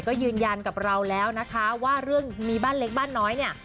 ก็ยืนยันกับเราแล้วนะคะว่าเรื่องมีบ้านเล็กบ้านน้อยเนี่ย